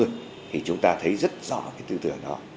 thì chúng ta thấy rất rõ cái tư tưởng đó